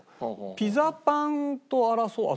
ピザパンと争うあ